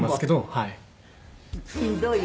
はい。